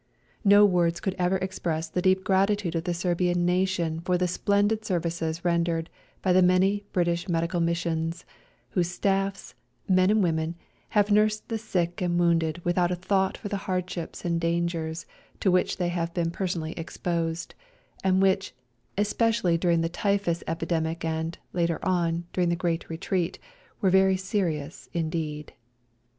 No words could ever express the deep gratitude of the Serbian Nation for the splendid ser vices rendered by the many British Medical Missions, whose staffs, men and women, have nursed the sick and wounded with out a thought for the hardships and dangers to which they have been person ally exposed, and which, especially during the typhus epidemic and, later on, during the Great Retreat, were very serious indeed.